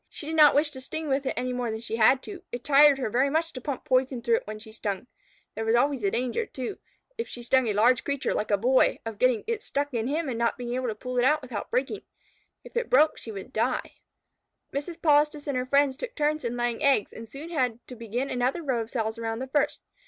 She did not wish to sting with it any more than she had to. It tired her very much to pump poison through it when she stung. There was always the danger, too, if she stung a large creature, like a boy, of getting it stuck in him and not being able to pull it out without breaking. If it broke, she would die. Mrs. Polistes and her friends took turns in laying eggs, and soon had to begin another row of cells around the first.